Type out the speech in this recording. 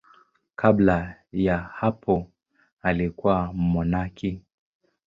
Kabla ya hapo alikuwa mmonaki.